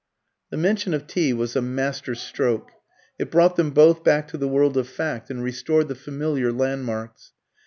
The mention of tea was a master stroke; it brought them both back to the world of fact, and restored the familiar landmarks.